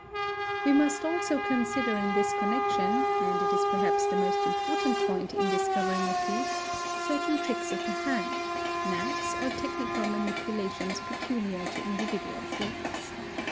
We must also consider in this connection, and it is perhaps the most important point in discovering a thief, certain tricks of the hand, ) knacks, or technical manipulations peculiar to individual thieves.